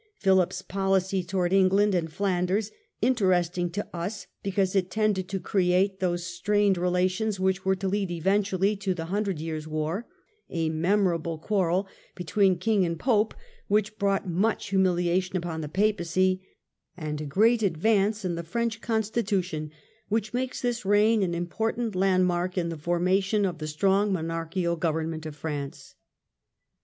Philip's poHcy towards England and Flanders, interesting to us because it tended to create those strained relations which were to lead eventually to the Hundred Years' War ; a memorable quarrel be tween King and Pope, which brought much humiliation upon the Papacy ; and a great advance in the French constitution, which makes this reign an important land mark in the formation of the strong monarchical govern ment of France.